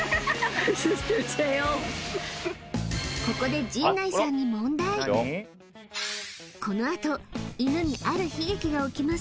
ここでこのあと犬にある悲劇が起きます